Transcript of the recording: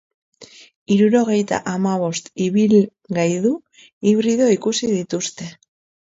Hirurogeita hamabost ibilgaidu hibrido ikusi dituzte.